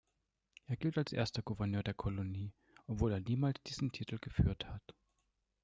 Er gilt als erster Gouverneur der Kolonie, obwohl er niemals diesen Titel geführt hat.